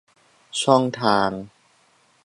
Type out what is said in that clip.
ช่องทาง